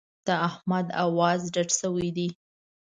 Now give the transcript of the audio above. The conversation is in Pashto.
د احمد اواز ډډ شوی دی.